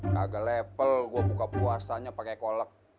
kagak level gue buka puasanya pake kolek